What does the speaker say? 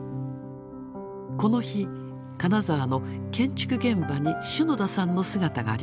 この日金沢の建築現場に篠田さんの姿がありました。